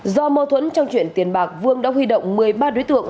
do mâu thuẫn trong chuyện tiền bạc vương đã huy động một mươi ba đối tượng